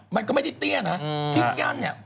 มันก็ไม่ได้เตี้ยนะที่กั้นเนี่ย